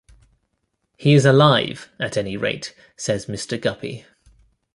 "He is alive, at any rate," says Mr. Guppy.